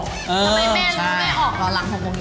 ทำไมแม่รู้แม่ออกร้องหลัง๖โมงเย็น